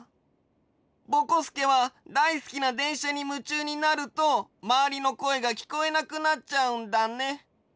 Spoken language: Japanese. ぼこすけはだいすきなでんしゃにむちゅうになるとまわりのこえがきこえなくなっちゃうんだね。